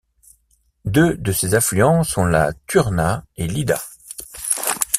Deux de ses affluents sont la Turňa et l'Ida.